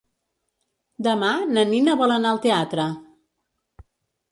Demà na Nina vol anar al teatre.